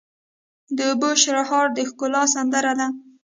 د اوبو شرهاری د ښکلا سندره ده.